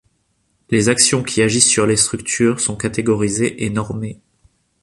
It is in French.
Les actions qui agissent sur les structures sont catégorisées et normées.